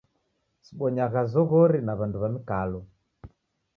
Sibonyagha zoghori na w'andu w'a mikalo.